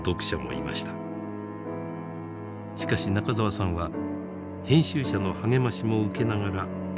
しかし中沢さんは編集者の励ましも受けながら描き続けました。